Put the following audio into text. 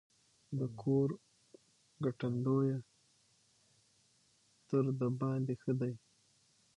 د کور ګټندويه تر دباندي ښه دی.